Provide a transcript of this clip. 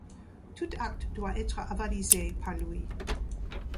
Tout acte doit être avalisé par lui.